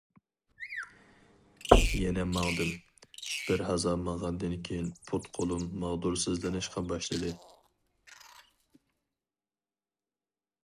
يەنە ماڭدىم، بىر ھازا ماڭغاندىن كېيىن پۇت-قولۇم ماغدۇرسىزلىنىشقا باشلىدى.